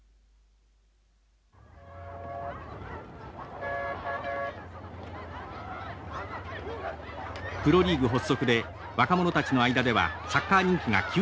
プロリーグ発足で若者たちの間ではサッカー人気が急上昇しています。